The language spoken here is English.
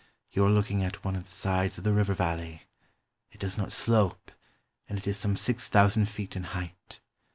You are looking at one of the sides of the river valley. It does not slope, and it is some six thousand feet in height.